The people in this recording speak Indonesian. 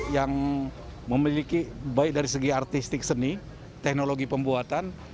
yang memiliki baik dari segi artistik seni teknologi pembuatan